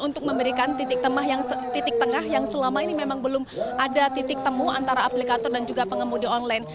untuk memberikan titik tengah yang selama ini memang belum ada titik temu antara aplikator dan juga pengemudi online